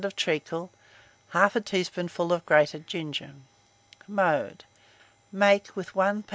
of treacle, 1/2 teaspoonful of grated ginger. Mode. Make, with 1 lb.